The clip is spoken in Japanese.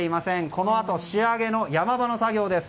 このあと仕上げの山場の作業です。